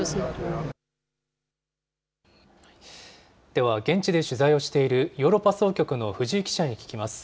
では、現地で取材をしているヨーロッパ総局の藤井記者に聞きます。